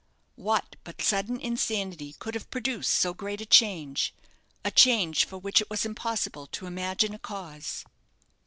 What but sudden insanity could have produced so great a change? a change for which it was impossible to imagine a cause.